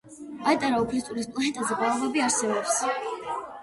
პატარა უფლისწულის პლანეტაზე ბაობაბი არსებობს.